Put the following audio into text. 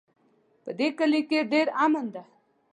په دې کلي کې ډېر امن ده